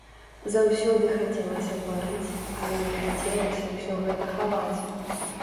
Заўсёды хацелася тварыць, але не хацелася ўсё гэта хаваць.